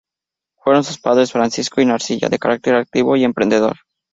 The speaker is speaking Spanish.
Fueron sus padres, Francisco y Narcisa, de carácter activo y emprendedor.